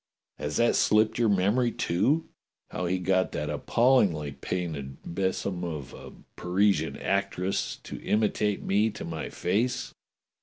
Has that slipped your memory, too? How he got that appallingly painted besom of a Parisian actress to imitate me to my face?